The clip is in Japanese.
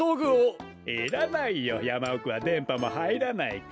いらないよやまおくはでんぱもはいらないから。